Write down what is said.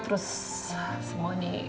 terus semua ini